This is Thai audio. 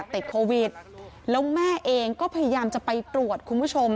ติดโควิดแล้วแม่เองก็พยายามจะไปตรวจคุณผู้ชม